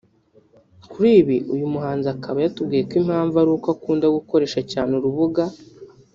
kuriibi uyu muhanzi akaba yatubwiye ko impamvu ari uko akunda gukoresha cyane uru rubuga